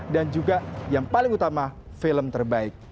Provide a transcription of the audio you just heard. dan juga yang paling utama film terbaik